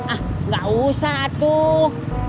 ah gak usah tuh